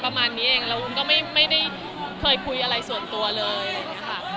ประมาณนี้เองแล้วอุ้นก็ไม่ได้เคยคุยอะไรส่วนตัวเลยค่ะ